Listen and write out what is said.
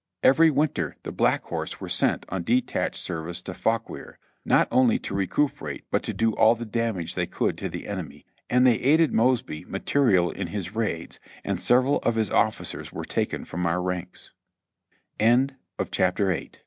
Every winter the Black Horse were sent on detached service to Fauquier, not only to recuperate but to do all the damage they could to the enemy ; and they aided Mosby materially in his raids, and several of his officers were taken